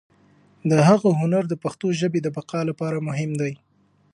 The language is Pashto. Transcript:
د هغه هنر د پښتو ژبې د بقا لپاره مهم دی.